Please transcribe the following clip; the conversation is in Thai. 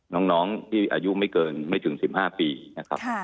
น้องน้องที่อายุไม่เกินไม่ถึงสิบห้าปีนะครับค่ะ